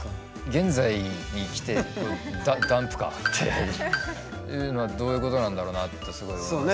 「現在」にきてる「ダンプカー」っていうのはどういうことなんだろうなってすごい思いますね。